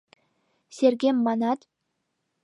Сергем манат..